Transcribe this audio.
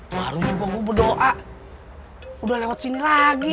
suarunya nih gua berdoa udah lewat sini lagi